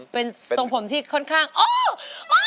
เป็นทรงผมที่ค่อนข้างโอ๊ยโอ๊ย